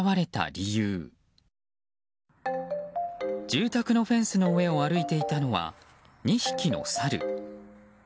住宅のフェンスの上を歩いていたのは２匹のサル。